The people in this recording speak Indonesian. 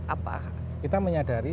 apa kita menyadari